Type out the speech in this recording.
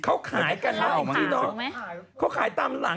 เขาขายกันมันขายตามหลัง